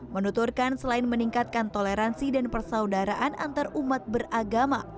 menuturkan selain meningkatkan toleransi dan persaudaraan antarumat beragama